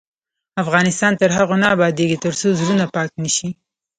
افغانستان تر هغو نه ابادیږي، ترڅو زړونه پاک نشي.